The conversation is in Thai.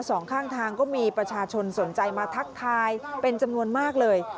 สองข้างทางก็มีประชาชนสนใจมาทักทายเป็นจำนวนมากเลย